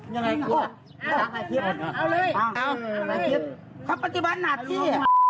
มึงทำไมมึงขวางทำไมเขาประจิบบัติหนาที่